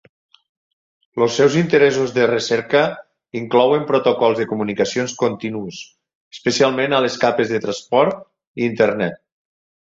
Els seus interessos de recerca inclouen protocols de comunicacions continus, especialment en les capes de transport i internet.